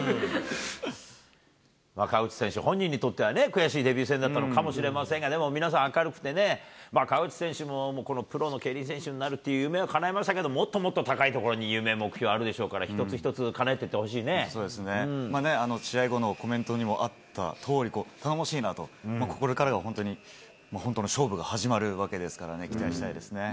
河内選手、本人にとっては悔しいデビュー戦だったのかもしれませんが、でも皆さん、明るくてね、河内選手もこのプロの競輪選手になるっていう夢はかなえましたけれども、もっともっと高いところに夢、目標あるでしょうから、一つ一つ、そうですね、試合後のコメントにもあったとおり、頼もしいなと、ここから本当に、本当の勝負が始まるわけですからね、期待したいですね。